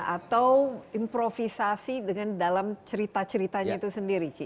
atau improvisasi dengan dalam cerita ceritanya itu sendiri